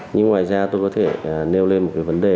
nhưng ngoài ra tôi có thể nêu lên một cái vấn đề